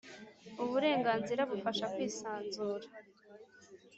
Uburenganzira bufasha kwisanzura.